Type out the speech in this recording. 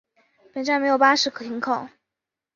本站没有巴士停靠。